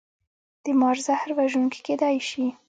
د مار زهر وژونکي کیدی شي